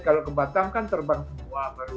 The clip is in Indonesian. kalau ke batam kan terbang semua